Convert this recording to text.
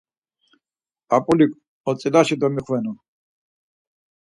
P̆ap̆ulik otzilaşe domixvenu.